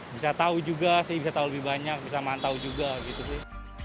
bisa tahu juga sih bisa tahu lebih banyak bisa mantau juga gitu sih